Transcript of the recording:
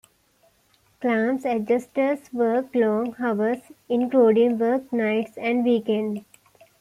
Claims adjusters work long hours including work nights and weekends.